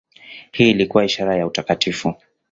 Hii ilikuwa ishara ya utakatifu.